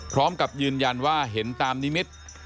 พร้อมกับยืนยันว่าเห็นตามนิมิตร